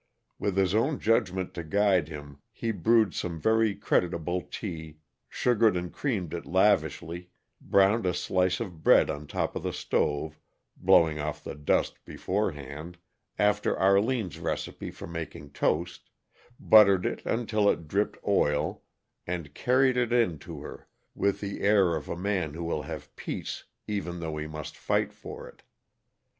With his own judgment to guide him, he brewed some very creditable tea, sugared and creamed it lavishly, browned a slice of bread on top of the stove blowing off the dust beforehand after Arline's recipe for making toast, buttered it until it dripped oil, and carried it in to her with the air of a man who will have peace even though he must fight for it.